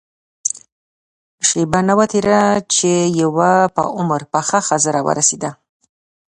شېبه نه وه تېره چې يوه په عمر پخه ښځه راورسېده.